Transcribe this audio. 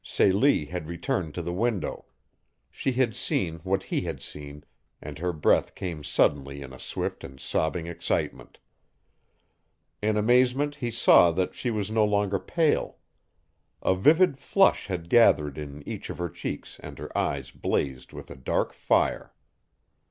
Celie had returned to the window. She had seen what he had seen, and her breath came suddenly in a swift and sobbing excitement. In amazement he saw that she was no longer pale. A vivid flush had gathered in each of her cheeks and her eyes blazed with a dark fire.